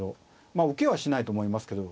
まあ受けはしないと思いますけど。